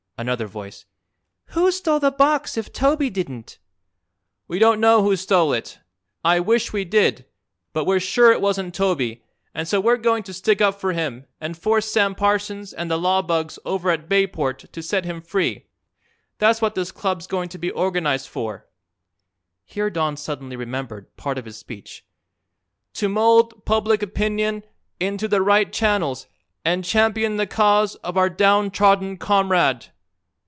Another Voice: "Who stole the box, if Toby didn't?" "We don't know who stole it. I wish we did. But we're sure it wasn't Toby and so we're going to stick up for him and force Sam Parsons an' the law bugs over at Bayport to set him free. That's what this Club's going to be organized for," here Don suddenly remembered part of his speech: "to mold public opinion into the right channels and champion the cause of our down trodden comrade."